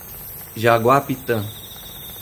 Jaguapitã